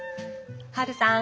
ハルさん